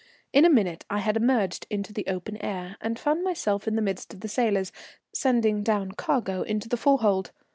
In a minute I had emerged into the open air, and found myself in the midst of the sailors sending down cargo into the forehold.